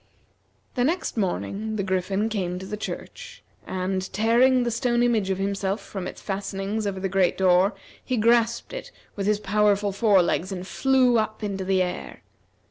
The next morning, the Griffin came to the church, and tearing the stone image of himself from its fastenings over the great door, he grasped it with his powerful fore legs and flew up into the air.